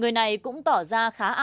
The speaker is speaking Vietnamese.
còn cái xanh kia là